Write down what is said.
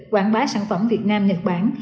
quảng bá sản phẩm việt nam nhật bản